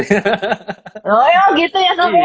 oh ya gitu ya